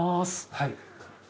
はい。